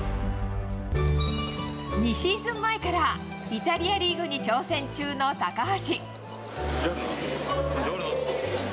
２シーズン前からイタリアリーグに挑戦中の高橋。